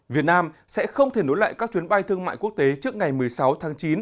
việt nam sẽ không thể nối lại các chuyến bay thương mại quốc tế trước ngày một mươi sáu tháng chín